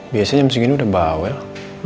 biasanya jam segini udah bawa ya